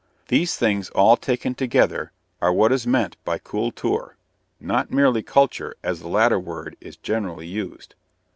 These things all taken together are what is meant by Kultur (kool toor´), not merely "culture" as the latter word is generally used.